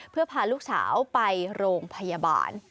เพื่อพาลูกสาวไปโรงพยาบาล